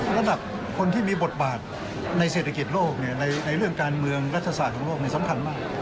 ระดับคนที่มีบทบาทในเศรษฐกิจโลกในเรื่องการเมืองรัฐศาสตร์ของโลกสำคัญมาก